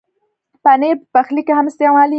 پنېر په پخلي کې هم استعمالېږي.